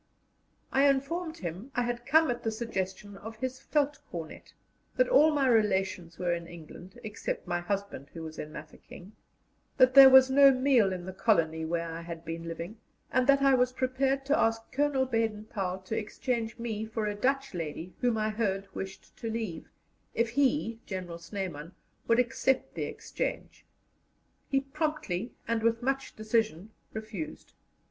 I informed him I had come at the suggestion of his Veldtcornet; that all my relations were in England, except my husband, who was in Mafeking; that there was no meal in the colony where I had been living; and that I was prepared to ask Colonel Baden Powell to exchange me for a Dutch lady whom I heard wished to leave, if he (General Snyman) would accept the exchange. He promptly and with much decision refused.